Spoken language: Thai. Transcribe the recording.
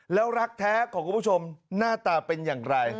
แล้วรักแท้ของคุณผู้ชมหน้าตาเป็นอย่างไร